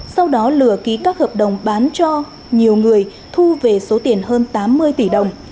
sau đó lừa ký các hợp đồng bán cho nhiều người thu về số tiền hơn tám mươi tỷ đồng